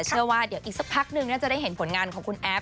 เชื่อว่าเดี๋ยวอีกสักพักนึงน่าจะได้เห็นผลงานของคุณแอฟ